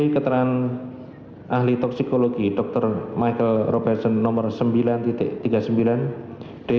keterangan ahli toksikologi dr michael robertson no sembilan tiga puluh sembilan